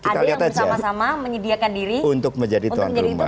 ada yang bersama sama menyediakan diri untuk menjadi informasi